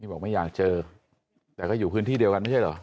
บอกไม่อยากเจอแต่ก็อยู่พื้นที่เดียวกันไม่ใช่เหรอ